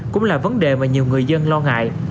cũng là vấn đề mà nhiều người dân lo ngại